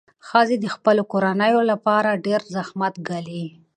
ښځې د خپلو کورنیو لپاره ډېر زحمت ګالي.